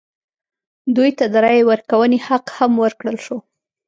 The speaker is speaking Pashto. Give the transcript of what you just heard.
دوی ته د رایې ورکونې حق هم ورکړل شو.